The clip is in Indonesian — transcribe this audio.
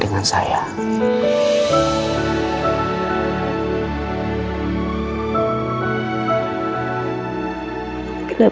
untuk memulai hidup baru